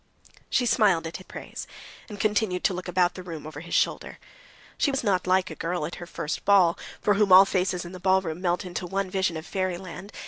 She smiled at his praise, and continued to look about the room over his shoulder. She was not like a girl at her first ball, for whom all faces in the ballroom melt into one vision of fairyland.